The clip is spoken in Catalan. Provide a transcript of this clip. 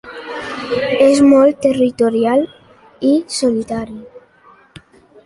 És molt territorial i solitari.